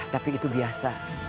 tapi itu biasa